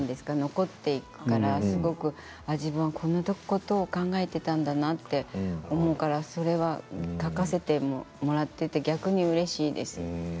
残っていくからすごく自分はこんなことを考えていたんだなって思うからそれは書かせてもらって逆にうれしいです。